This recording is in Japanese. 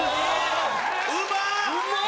うまっ！